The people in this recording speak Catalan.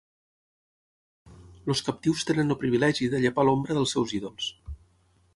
Els captius tenen el privilegi de llepar l'ombra dels seus ídols.